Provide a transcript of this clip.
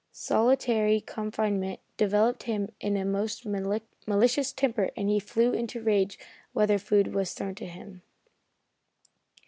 Solitary confinement developed in him a most malicious temper and he flew into a rage whenever food was thrown to him.